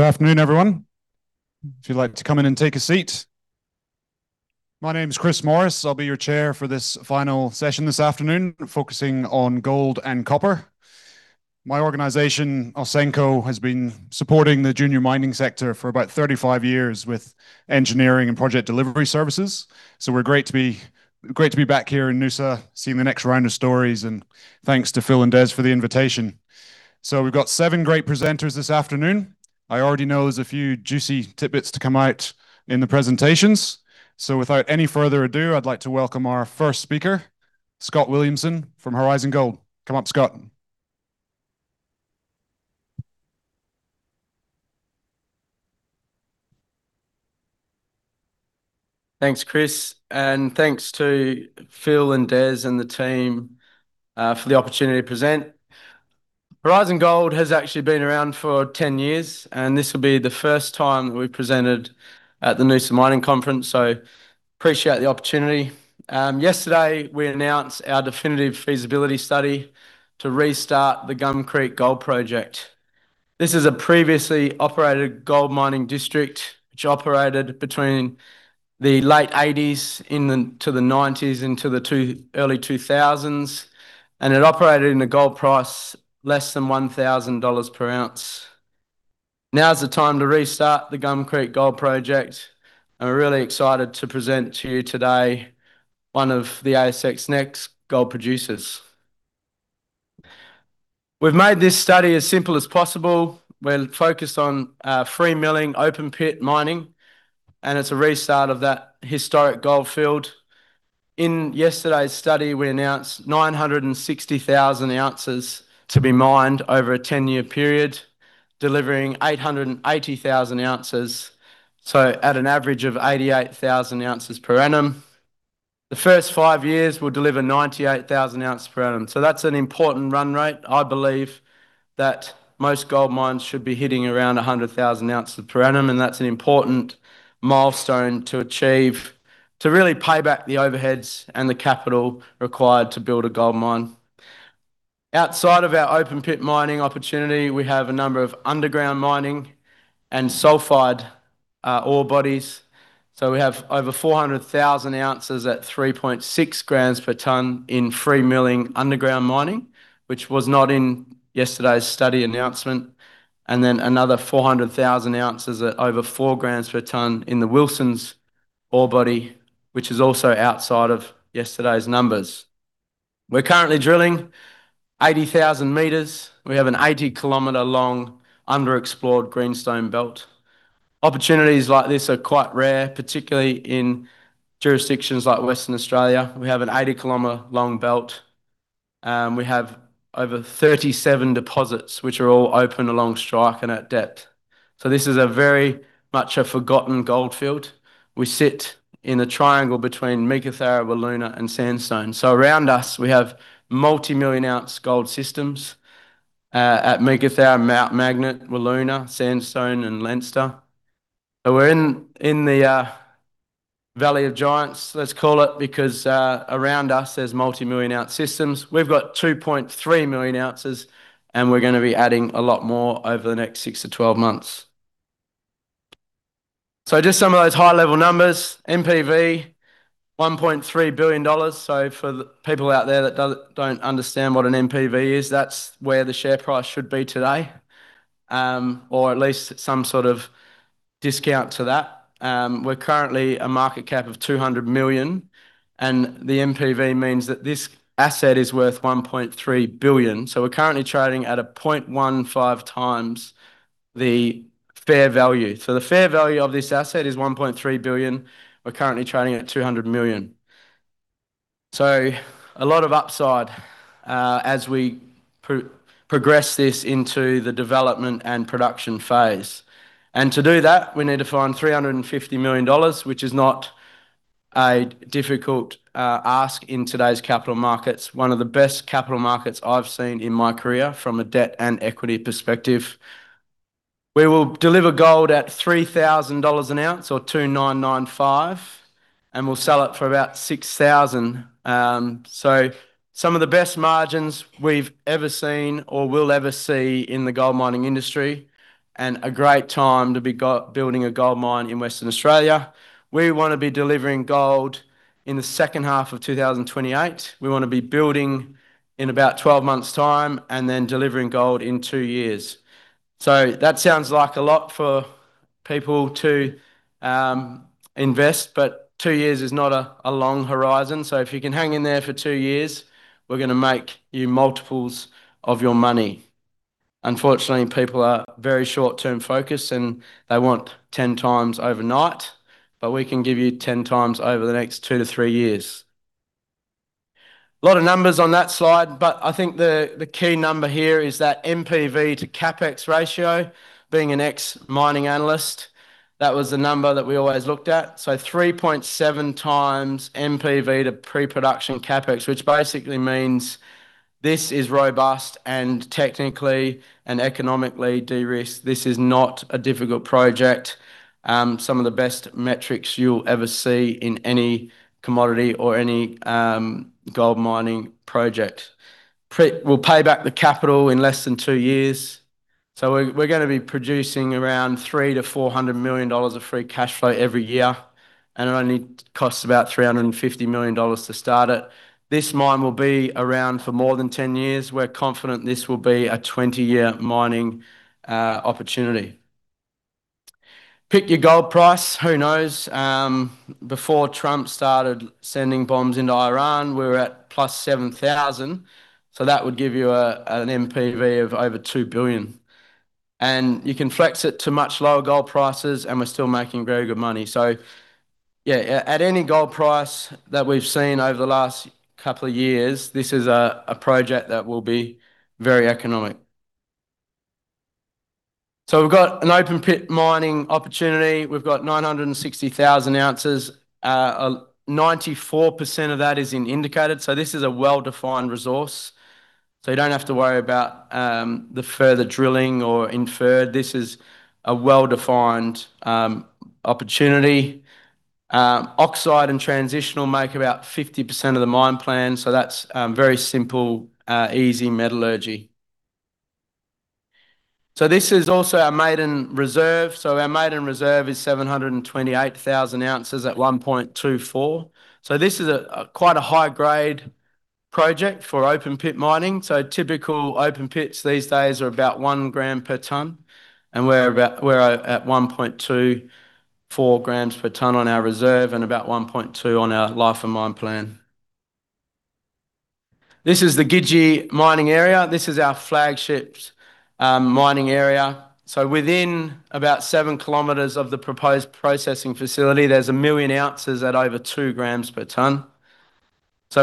Good afternoon, everyone. If you'd like to come in and take a seat. My name's Chris Morris. I'll be your chair for this final session this afternoon, focusing on gold and copper. My organization, Ausenco, has been supporting the junior mining sector for about 35 years with engineering and project delivery services. We're great to be back here in Noosa seeing the next round of stories, and thanks to Phil and Des for the invitation. We've got seven great presenters this afternoon. I already know there's a few juicy tidbits to come out in the presentations. Without any further ado, I'd like to welcome our first speaker, Scott Williamson from Horizon Gold. Come up, Scott. Thanks, Chris, and thanks to Phil and Des and the team for the opportunity to present. Horizon Gold has actually been around for 10 years, and this will be the first time that we've presented at the Noosa Mining Conference, so appreciate the opportunity. Yesterday, we announced our definitive feasibility study to restart the Gum Creek Gold Project. This is a previously operated gold mining district, which operated between the late '80s into the '90s, into the early 2000s. It operated in a gold price less than 1,000 dollars per ounce. Now is the time to restart the Gum Creek Gold Project. We're really excited to present to you today one of the ASX next gold producers. We've made this study as simple as possible. We're focused on free milling, open pit mining, and it's a restart of that historic gold field. In yesterday's study, we announced 960,000 oz to be mined over a 10-year period, delivering 880,000 oz, at an average of 88,000 oz per annum. The first five years, we'll deliver 98,000 oz per annum. That's an important run rate. I believe that most gold mines should be hitting around 100,000 oz per annum, and that's an important milestone to achieve to really pay back the overheads and the capital required to build a gold mine. Outside of our open pit mining opportunity, we have a number of underground mining and sulfide ore bodies. We have over 400,000 oz at 3.6 g per tonne in free milling underground mining, which was not in yesterday's study announcement, and then another 400,000 oz at over 4 g per tonne in the Wilsons ore body, which is also outside of yesterday's numbers. We're currently drilling 80,000 m. We have an 80 km long underexplored greenstone belt. Opportunities like this are quite rare, particularly in jurisdictions like Western Australia. We have an 80 km long belt. We have over 37 deposits, which are all open along strike and at depth. This is a very much a forgotten gold field. We sit in a triangle between Meekatharra, Wiluna and Sandstone. Around us, we have multimillion-ounce gold systems, at Meekatharra, Mt Magnet, Wiluna, Sandstone and Leinster. We're in the Valley of Giants, let's call it, because, around us, there's multimillion-ounce systems. We've got 2.3 million ounces, and we're going to be adding a lot more over the next six to 12 months. Just some of those high-level numbers. NPV, 1.3 billion dollars. For people out there that don't understand what an NPV is, that's where the share price should be today, or at least some sort of discount to that. We're currently a market cap of 200 million, and the NPV means that this asset is worth 1.3 billion. We're currently trading at a 0.15x the fair value. The fair value of this asset is 1.3 billion. We're currently trading at 200 million. A lot of upside as we progress this into the development and production phase. To do that, we need to find 350 million dollars, which is not a difficult ask in today's capital markets. One of the best capital markets I've seen in my career from a debt and equity perspective. We will deliver gold at 3,000 dollars an ounce or 2,995, and we'll sell it for about 6,000. Some of the best margins we've ever seen or will ever see in the gold mining industry, and a great time to be building a gold mine in Western Australia. We want to be delivering gold in the second half of 2028. We want to be building in about 12 months' time and then delivering gold in two years. That sounds like a lot for people to invest, but two years is not a long horizon. If you can hang in there for two years, we're going to make you multiples of your money. Unfortunately, people are very short-term focused, and they want 10x overnight. We can give you 10 times over the next two to three years. A lot of numbers on that slide, but I think the key number here is that NPV to CapEx ratio. Being an ex-mining analyst, that was the number that we always looked at. 3.7x NPV to pre-production CapEx, which basically means this is robust and technically and economically de-risked. This is not a difficult project. Some of the best metrics you'll ever see in any commodity or any gold mining project. We'll pay back the capital in less than two years. We're going to be producing around 300 million-400 million dollars of free cash flow every year, and it only costs about 350 million dollars to start it. This mine will be around for more than 10 years. We're confident this will be a 20-year mining opportunity. Pick your gold price. Who knows? Before Trump started sending bombs into Iran, we were at +7,000, that would give you an NPV of over 2 billion. You can flex it to much lower gold prices and we're still making very good money. At any gold price that we've seen over the last couple of years, this is a project that will be very economic. We've got an open pit mining opportunity. We've got 960,000 oz. 94% of that is in indicated, this is a well-defined resource, you don't have to worry about the further drilling or inferred. This is a well-defined opportunity. Oxide and transitional make about 50% of the mine plan, that's very simple, easy metallurgy. This is also our maiden reserve. Our maiden reserve is 728,000 oz at 1.24. This is quite a high-grade project for open pit mining. Typical open pits these days are about 1 g per tonne, and we're at 1.24 g per tonne on our reserve and about 1.2 on our life of mine plan. This is the Gidgee mining area. This is our flagship mining area. Within about seven kilometers of the proposed processing facility, there's 1 million ounces at over 2 g per tonne.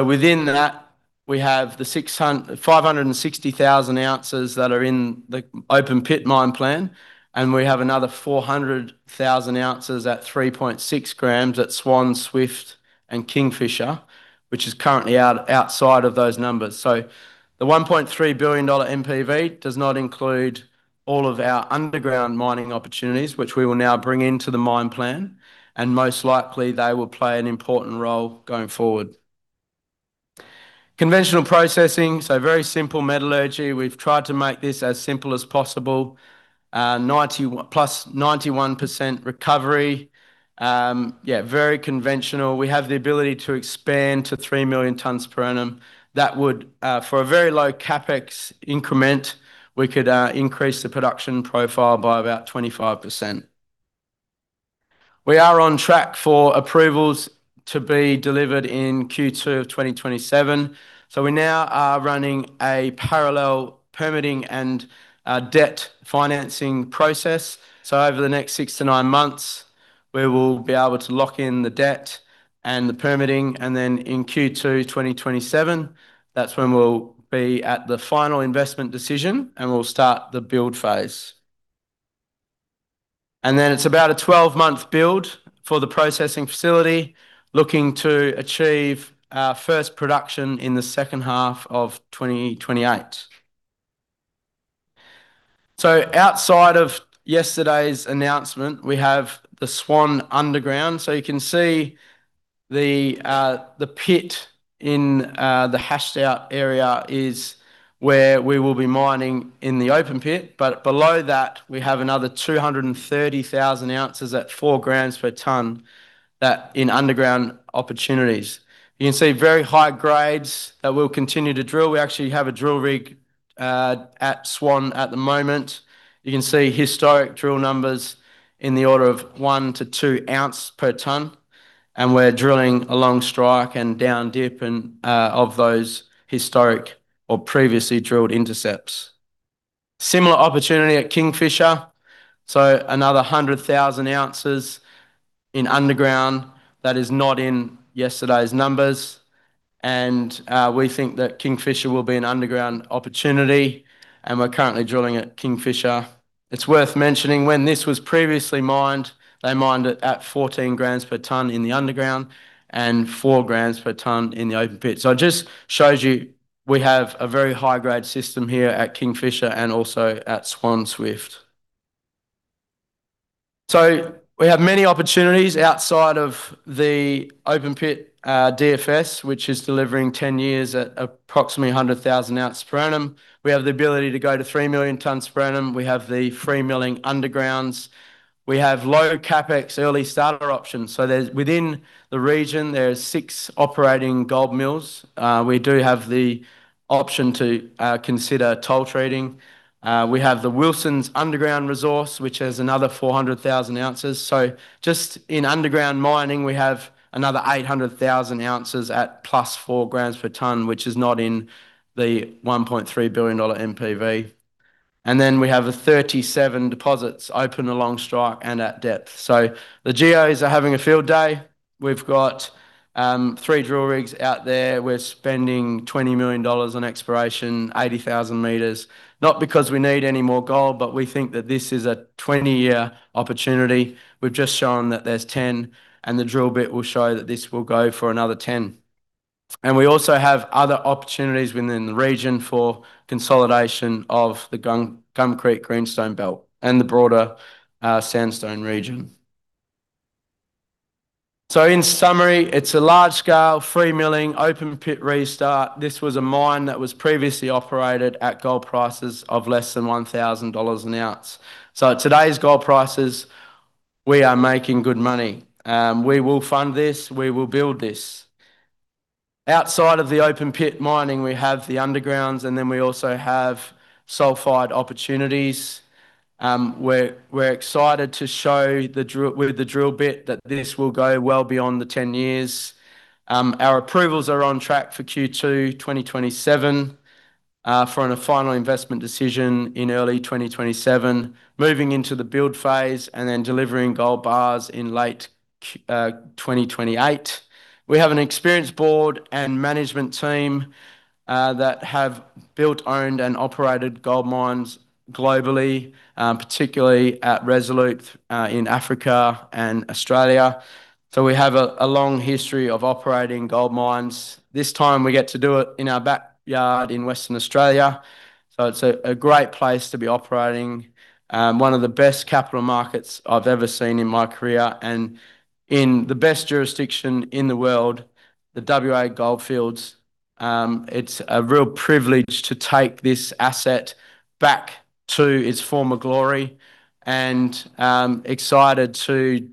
Within that, we have the 560,000 oz that are in the open pit mine plan, and we have another 400,000 oz at 3.6 g at Swan-Swift and Kingfisher, which is currently outside of those numbers. The 1.3 billion dollar NPV does not include all of our underground mining opportunities, which we will now bring into the mine plan, and most likely they will play an important role going forward. Conventional processing, very simple metallurgy. We've tried to make this as simple as possible. +91% recovery. Yeah, very conventional. We have the ability to expand to 3 million tonnes per annum. That would, for a very low CapEx increment, we could increase the production profile by about 25%. We are on track for approvals to be delivered in Q2 2027. We now are running a parallel permitting and debt financing process. Over the next six to nine months, we will be able to lock in the debt and the permitting, and then in Q2 2027, that's when we'll be at the final investment decision and we'll start the build phase. Then it's about a 12-month build for the processing facility, looking to achieve our first production in the second half 2028. Outside of yesterday's announcement, we have the Swan underground. You can see the pit in the hashed-out area is where we will be mining in the open pit. Below that, we have another 230,000 oz at 4 g per tonne in underground opportunities. You can see very high grades that we'll continue to drill. We actually have a drill rig at Swan at the moment. You can see historic drill numbers in the order of 1 oz-2 oz per tonne, and we're drilling along strike and down dip of those historic or previously drilled intercepts. Similar opportunity at Kingfisher. Another 100,000 oz in underground that is not in yesterday's numbers. We think that Kingfisher will be an underground opportunity, and we're currently drilling at Kingfisher. It's worth mentioning when this was previously mined, they mined it at 14 g per tonne in the underground and 4 g per tonne in the open pit. It just shows you, we have a very high-grade system here at Kingfisher and also at Swan Swift. We have many opportunities outside of the open pit DFS, which is delivering 10 years at approximately 100,000 oz per annum. We have the ability to go to 3 million tonnes per annum. We have the free milling undergrounds. We have low CapEx early starter options. Within the region, there is six operating gold mills. We do have the option to consider toll treating. We have the Wilsons underground resource, which is another 400,000 oz. Just in underground mining, we have another 800,000 oz at plus four grams per tonne, which is not in the 1.3 billion dollar NPV. Then we have the 37 deposits open along strike and at depth. The GEOs are having a field day. We've got three drill rigs out there. We're spending 20 million dollars on exploration, 80,000 m. Not because we need any more gold, but we think that this is a 20-year opportunity. We've just shown that there's 10, and the drill bit will show that this will go for another 10. We also have other opportunities within the region for consolidation of the Gum Creek greenstone belt and the broader Sandstone region. In summary, it's a large-scale, free milling, open pit restart. This was a mine that was previously operated at gold prices of less than 1,000 dollars an ounce. At today's gold prices, we are making good money. We will fund this, we will build this. Outside of the open pit mining, we have the undergrounds, and then we also have sulfide opportunities. We're excited to show with the drill bit that this will go well beyond the 10 years. Our approvals are on track for Q2 2027, for a final investment decision in early 2027, moving into the build phase and then delivering gold bars in late 2028. We have an experienced board and management team that have built, owned and operated gold mines globally, particularly at Resolute in Africa and Australia. We have a long history of operating gold mines. This time, we get to do it in our backyard in Western Australia. It's a great place to be operating. One of the best capital markets I've ever seen in my career, and in the best jurisdiction in the world, the WA Goldfields. It's a real privilege to take this asset back to its former glory, and I'm excited to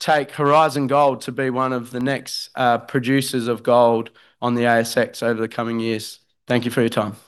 take Horizon Gold to be one of the next producers of gold on the ASX over the coming years. Thank you for your time.